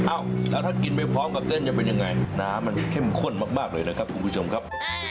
อ้าวแล้วถ้ากินไปพร้อมกับเส้นจะเป็นยังไงน้ำมันเข้มข้นมากเลยนะครับคุณผู้ชมครับ